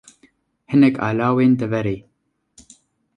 Hinek alawên deverê